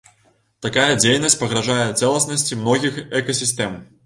Такая дзейнасць пагражае цэласнасці многіх экасістэм.